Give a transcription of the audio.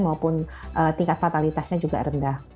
dan tingkat fatalitasnya juga rendah